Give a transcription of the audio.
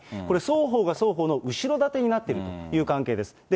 これ、双方が双方の後ろ盾になっているという関係です。